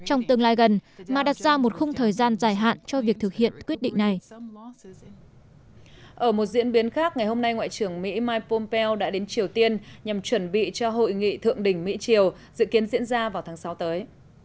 trong một diễn biến khác ngày hôm nay ngoại trưởng mỹ mike pompeo đã đến triều tiên nhằm chuẩn bị cho hội nghị thượng đỉnh mỹ triều dự kiến diễn ra vào tháng sáu tới